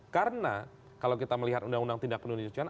karena kalau kita melihat uu tindak pencucian